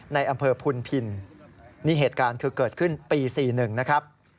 ในอำเภอพุนพินนี่เหตุการณ์คือเกิดขึ้นปี๔๑นะครับ